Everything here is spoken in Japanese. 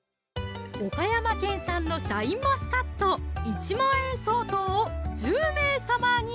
岡山県産のシャインマスカット１万円相当を１０名様に！